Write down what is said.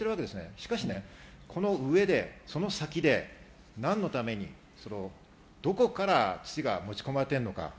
しかし、この上で、その先で何のために、どこから土が持ち込まれているのか。